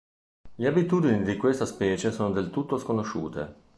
Le abitudini di questa specie sono del tutto sconosciute.